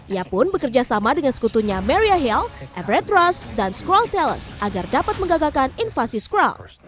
ia pun bekerja sama dengan sekutunya maria hale everett ross dan skrull talus agar dapat mengagakkan invasi skrull